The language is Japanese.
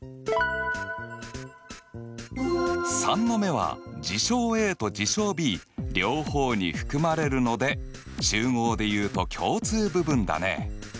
３の目は事象Ａと事象Ｂ両方に含まれるので集合で言うと共通部分だね。